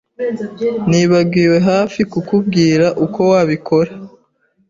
Nibagiwe hafi kukubwira uko wabikora.